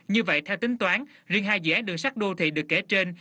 như vậy theo tính toán riêng hai dự án đường sắt đô thị được kể trên